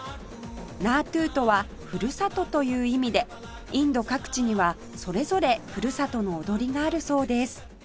「ナートゥ」とは「ふるさと」という意味でインド各地にはそれぞれふるさとの踊りがあるそうです